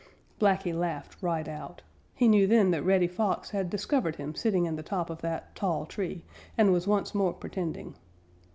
Blacky laughed right out. He knew then that Reddy Fox had discovered him sitting in the top of that tall tree and was once more pretending.